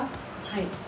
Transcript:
はい。